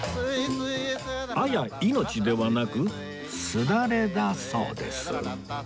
「亜矢命」ではなくすだれだそうです